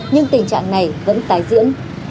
nhưng tình trạng này vẫn tái diễn